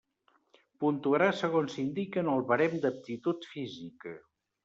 Puntuarà segons s'indica en el barem d'aptitud física.